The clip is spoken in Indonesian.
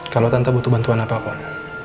kalau tanpa butuh bantuan apapun